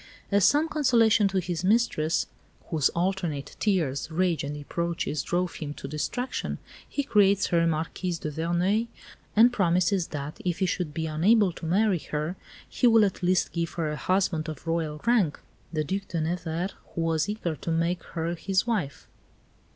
As some consolation to his mistress, whose alternate tears, rage, and reproaches drove him to distraction, he creates her Marquise de Verneuil and promises that, if he should be unable to marry her, he will at least give her a husband of Royal rank, the Due de Nevers, who was eager to make her his wife.